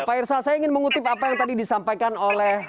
pak irsal saya ingin mengutip apa yang tadi disampaikan oleh